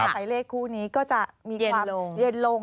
ใช้เลขคู่นี้ก็จะมีความเย็นลง